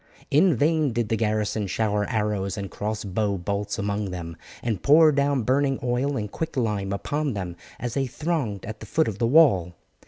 In vain did the garrison shower arrows and cross bow bolts among them, and pour down burning oil and quicklime upon them as they thronged at the foot of the wall.